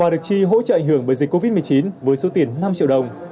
và được tri hỗ trợ ảnh hưởng bởi dịch covid một mươi chín với số tiền năm triệu đồng